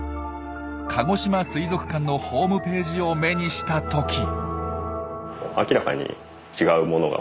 かごしま水族館のホームページを目にしたとき。